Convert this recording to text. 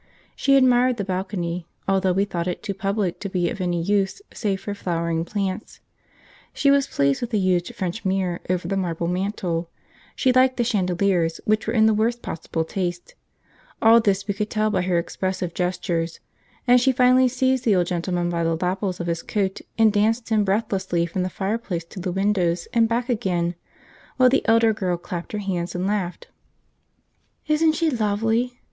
She admired the balcony, although we thought it too public to be of any use save for flowering plants; she was pleased with a huge French mirror over the marble mantle; she liked the chandeliers, which were in the worst possible taste; all this we could tell by her expressive gestures; and she finally seized the old gentleman by the lapels of his coat and danced him breathlessly from the fireplace to the windows and back again, while the elder girl clapped her hands and laughed. "Isn't she lovely?"